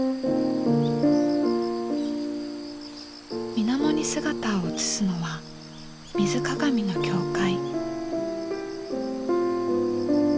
水面に姿を映すのは水鏡の教会。